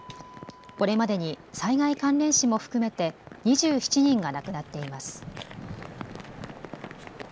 これまでに災害関連死も含めて２７人が亡くなっています。